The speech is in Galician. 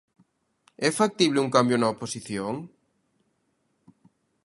É factible un cambio na oposición?